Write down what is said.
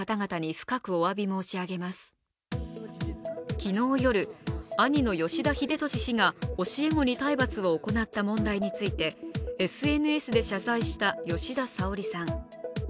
昨日夜、兄の吉田栄利氏が教え子に体罰を行った問題についてＳＮＳで謝罪した吉田沙保里さん。